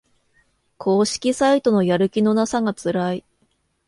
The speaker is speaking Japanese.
公式サイトのやる気のなさがつらい